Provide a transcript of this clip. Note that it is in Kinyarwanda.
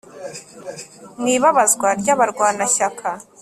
mu ibabazwa ry’abarwanashyaka